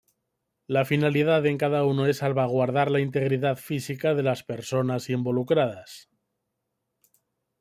La finalidad en cada uno es salvaguardar la integridad física de las personas involucradas.